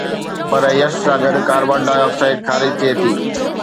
پر يش سان گڏ ڪاربان ڊاءِ آڪسائيڊ خارج ٿئي ٿي